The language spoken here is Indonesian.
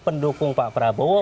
pendukung pak prabowo